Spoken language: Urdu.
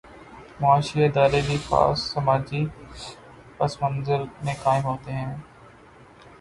معاشی ادارے بھی خاص سماجی پس منظر میں قائم ہوتے ہیں۔